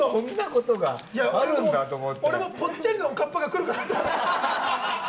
いや、俺もぽっちゃりのおかっぱが来るかなと思ってた。